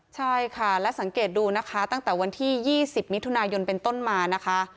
ใช่ค่ะและสังเกตดูนะคะตั้งแต่วันที่๒๐มิถุนายนเป็นต้นมานะคะ